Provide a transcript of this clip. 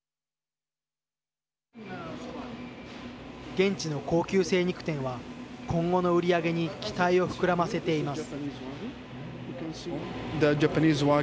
現地の高級精肉店は今後の売り上げに期待を膨らませています。